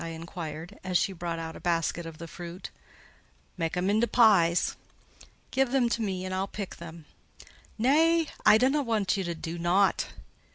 I inquired, as she brought out a basket of the fruit. "Mak' 'em into pies." "Give them to me and I'll pick them." "Nay; I dunnut want ye to do nought."